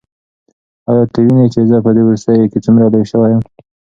ایا ته وینې چې زه په دې وروستیو کې څومره لوی شوی یم؟